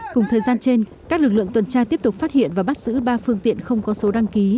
cùng thời gian trên các lực lượng tuần tra tiếp tục phát hiện và bắt giữ ba phương tiện không có số đăng ký